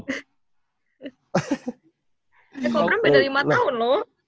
gak ngobrol beda lima tahun loh